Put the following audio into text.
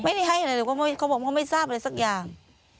ไม่ได้ให้อะไรเขาบอกว่าไม่ทราบอะไรสักอย่าง